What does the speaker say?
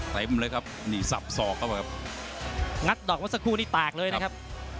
เต็มเลยครับนี่สับสอกเข้าไปครับงัดดอกมาสักครู่นี้แตกเลยนะครับ